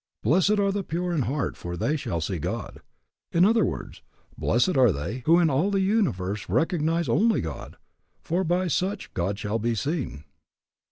Blessed are the pure in heart for they shall see God. In other words, blessed are they who in all the universe recognize only God, for by such God shall be seen.